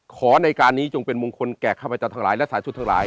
ขอในการนี้จงเป็นมงคลแก่ขวบอาจารย์ทางหลายนาดศาสตร์ทางหลาย